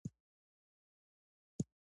د محصول ازموینه د کیفیت کچه ټاکي.